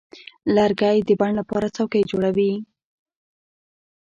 لرګی د بڼ لپاره څوکۍ جوړوي.